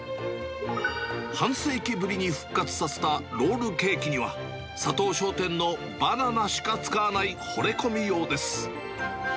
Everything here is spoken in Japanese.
半世紀ぶりに復活させたロールケーキには、佐藤商店のバナナしか使わないほれ込みようです。